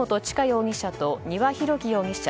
容疑者と丹羽洋樹容疑者